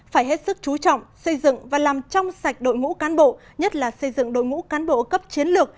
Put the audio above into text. phải hết sức chú trọng xây dựng và làm trong sạch đội ngũ cán bộ nhất là xây dựng đội ngũ cán bộ cấp chiến lược